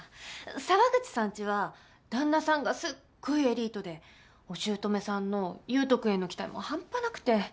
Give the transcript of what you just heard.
沢口さんちは旦那さんがすっごいエリートでお姑さんの優斗君への期待も半端なくて。